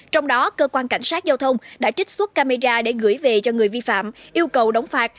trong đó cơ quan cảnh sát giao thông đã trích xuất camera để gửi về cho người vi phạm yêu cầu đóng phạt